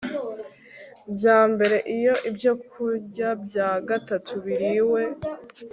bya mbere Iyo ibyokurya bya gatatu biriwe